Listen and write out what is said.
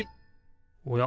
おや？